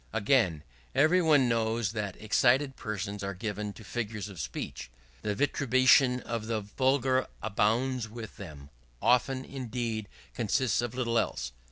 Again, every one knows that excited persons are given to figures of speech. The vituperation of the vulgar abounds with them: often, indeed, consists of little else.